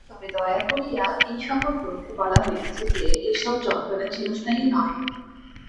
তবে দয়া করিয়া এই-সকল গ্রন্থে বলা হইয়াছে যে, এইসব যন্ত্রণা চিরস্থায়ী নহে।